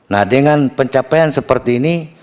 nah dengan pencapaian seperti ini